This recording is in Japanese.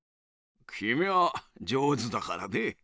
きみは上手だからね。